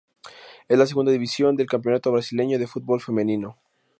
Es la Segunda División del Campeonato Brasileño de Fútbol Femenino.